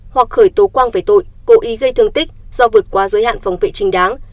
hoặc khởi tố quang về tội cố ý gây thương tích do vượt qua giới hạn phòng vệ trình đáng